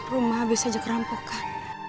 rumah habis aja kerampokan